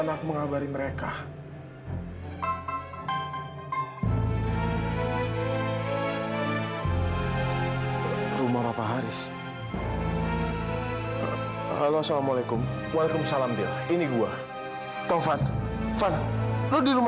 sampai jumpa di video selanjutnya